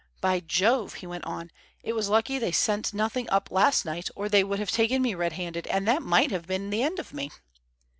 "By Jove," he went on, "it was lucky they sent nothing up last night, or they would have taken me red handed, and that might have been the end of me!"